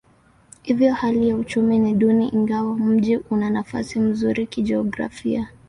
Hivyo hali ya uchumi ni duni ingawa mji una nafasi nzuri kijiografia.